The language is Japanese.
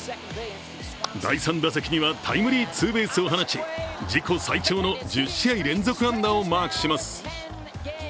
第３打席にはタイムリーツーベースを放ち自己最長の１０試合連続安打をマークします。